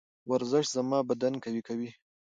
ورزش زما بدن قوي کوي.